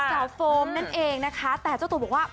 โฟมนั่นเองนะคะแต่เจ้าตัวบอกว่า